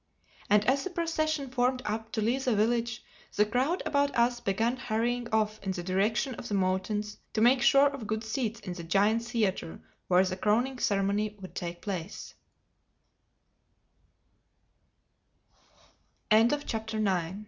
And as the procession formed up to leave the village, the crowd about us began hurrying off in the direction of the mountains to make sure of good seats in the giant theatre where the crowning ceremony would take place.